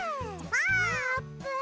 あーぷん。